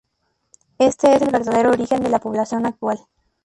Este es el verdadero origen de la población actual.